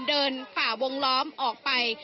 เดินฝ่าวงล้อมออกไป